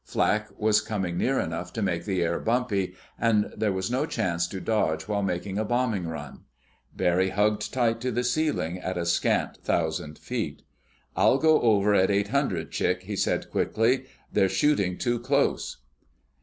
Flak was coming near enough to make the air bumpy, and there was no chance to dodge while making a bombing run. Barry hugged tight to the ceiling at a scant thousand feet. "I'll go over at eight hundred, Chick," he said quickly. "They're shooting too close."